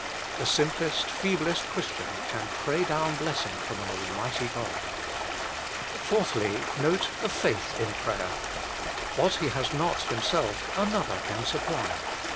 The simplest, feeblest Christian can pray down blessing from an Almighty God. 4. Note the faith in prayer. What he has not himself, another can supply.